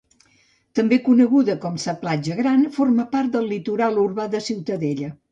També coneguda com sa platja Gran forma part del litoral urbà de Ciutadella.